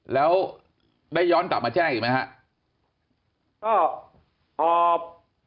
แล้วได้ย้อนกลับมาแจ้งอีกไหมครับ